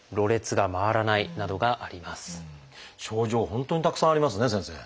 本当にたくさんありますね先生。